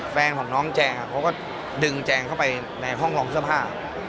แฟนของน้องแจงเขาก็ดึงแจงเข้าไปในห้องรองเสื้อผ้า